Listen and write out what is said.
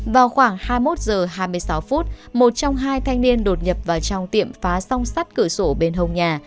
vào khoảng hai mươi một h hai mươi sáu phút một trong hai thanh niên đột nhập vào trong tiệm phá song sắt cửa sổ bên hồng nhà